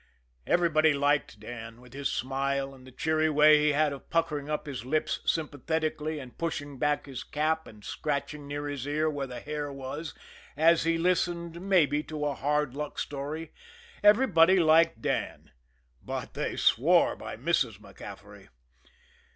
Everybody liked Dan, with his smile, and the cheery way he had of puckering up his lips sympathetically and pushing back his cap and scratching near his ear where the hair was, as he listened maybe to a hard luck story; everybody liked Dan but they swore by Mrs. MacCaffery.